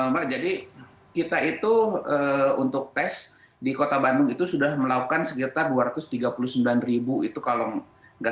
mbak jadi kita itu untuk tes di kota bandung itu sudah melakukan sekitar dua ratus tiga puluh sembilan ribu itu kalau nggak